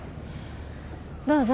どうぞ。